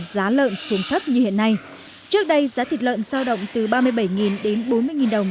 giá lợn xuống thấp như hiện nay trước đây giá thịt lợn sao động từ ba mươi bảy đến bốn mươi đồng